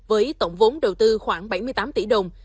với tổng vốn đầu tư khoảng bảy mươi tám tỷ đồng